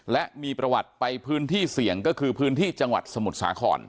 และมีประวัติไปพื้นที่เสี่ยงก็คือพื้นที่จังหวัดสมุทรสาคร